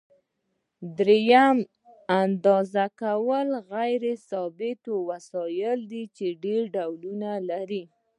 دریم د اندازه کولو غیر ثابت وسایل دي چې ډېر ډولونه لري.